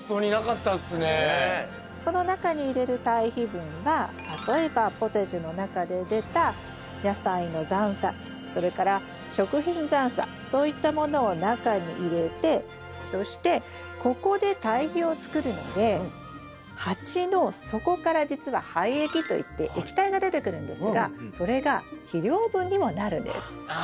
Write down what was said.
この中に入れる堆肥分は例えばポタジェの中で出た野菜の残それから食品残そういったものを中に入れてそしてここで堆肥をつくるので鉢の底からじつは廃液といって液体が出てくるんですがそれが肥料分にもなるんです。